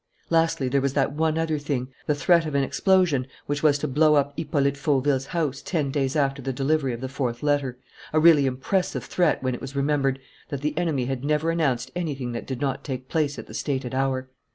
Lastly, there was that one other thing, the threat of an explosion which was to blow up Hippolyte Fauville's house ten days after the delivery of the fourth letter, a really impressive threat when it was remembered that the enemy had never announced anything that did not take place at the stated hour.